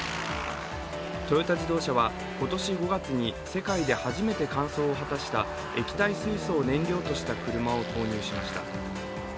トヨタ自動車は今年５月に世界で初めて完走を果たした液体水素を燃料とした車を投入しました。